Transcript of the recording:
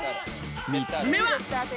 ３つ目は。